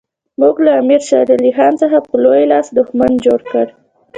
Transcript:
موږ له امیر شېر علي خان څخه په لوی لاس دښمن جوړ کړ.